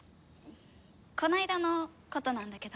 この間の事なんだけど。